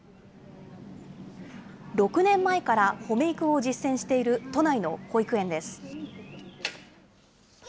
６年前からほめ育を実践している都内の保育園です。